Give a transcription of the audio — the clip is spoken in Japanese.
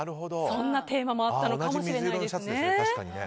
そんなテーマもあったのかもしれませんね。